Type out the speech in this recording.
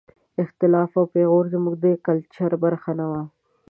اختلاف او پېغور زموږ د کلچر برخه نه وه.